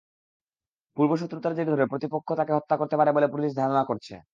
পূর্বশত্রুতার জের ধরে প্রতিপক্ষ তাঁকে হত্যা করতে পারে বলে পুলিশ ধারণা করছে।